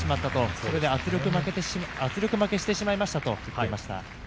それで、圧力負けしてしまいましたと言っていました。